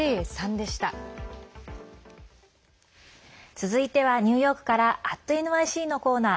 続いてはニューヨークから「＠ｎｙｃ」のコーナー。